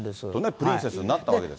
プリンセスになったわけです。